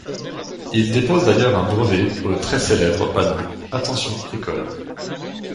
Il dépose d'ailleurs un brevet pour le très célèbre panneau Attention École.